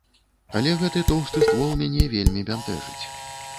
Але гэты тоўсты ствол мяне вельмі бянтэжыць.